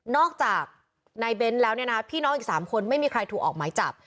จากนายเบ้นแล้วเนี่ยนะพี่น้องอีก๓คนไม่มีใครถูกออกหมายจับ